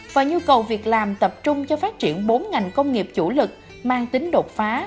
và nhu cầu việc làm tập trung cho phát triển bốn ngành công nghiệp chủ lực mang tính đột phá